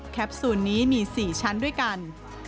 ซูลนี้มี๔ชั้นด้วยกัน